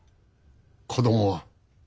子供は。